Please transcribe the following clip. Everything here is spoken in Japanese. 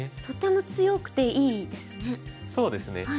とても強くていいですね。